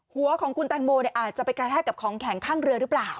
หัวของคุณแตงโมอาจจะไปกระแทกกับของแข็งข้างเรือหรือเปล่า